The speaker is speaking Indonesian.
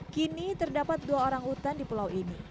kini terdapat dua orang hutan di pulau ini